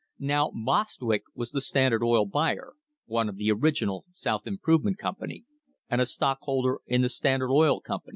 Now Bostwick was the Standard Oil buyer, one of the original South Improvement Company, and a stockholder in the Standard Oil Company.